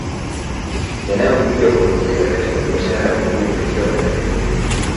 Yanayokuja kuwekeza katika biashara ya Uvuvi katika bahari kuu